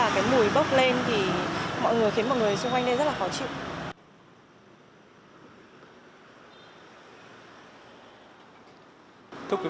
cái mùi bốc lên thì khiến mọi người xung quanh đây rất là khó chịu